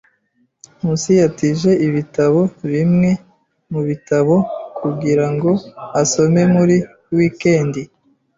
Nkusi yatije ibitabo bimwe mubitabo kugirango asome muri wikendi.